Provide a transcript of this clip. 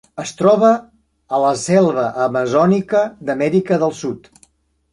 Es troba a la selva amazònica d'Amèrica del Sud.